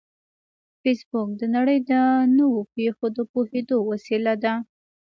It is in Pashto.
فېسبوک د نړۍ د نوو پېښو د پوهېدو وسیله ده